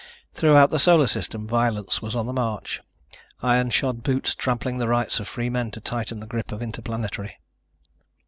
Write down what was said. Throughout the Solar System violence was on the march, iron shod boots trampling the rights of free men to tighten the grip of Interplanetary.